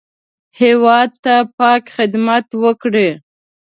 هېواد ته پاک خدمت وکړئ